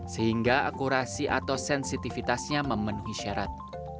sehingga akurasi atau sensitivitasnya memenuhi syarat